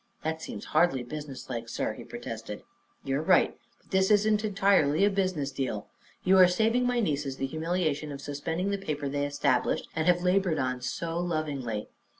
"That seems hardly business like, sir," he protested. "You are right; but this isn't entirely a business deal. You are saving my nieces the humiliation of suspending the paper they established and have labored on so lovingly.